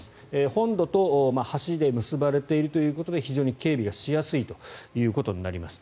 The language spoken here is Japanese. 本土と橋で結ばれているということで非常に警備がしやすいということになります。